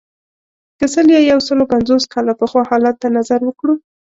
که سل یا یو سلو پنځوس کاله پخوا حالت ته نظر وکړو.